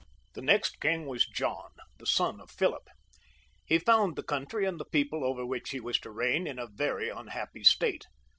The next king was John, the son of Philip. He found the country and the people over which he was to reign in a very unhappy state.